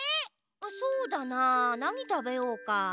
そうだななにたべようか？